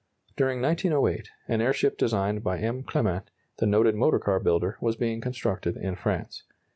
During 1908, an airship designed by M. Clement, the noted motor car builder, was being constructed in France.